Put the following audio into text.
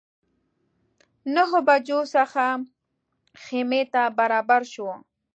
نهه بجو څخه خیمې ته برابر شوو.